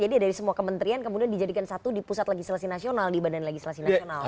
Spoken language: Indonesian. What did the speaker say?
jadi dari semua kementerian kemudian dijadikan satu di pusat legislasi nasional di badan legislasi nasional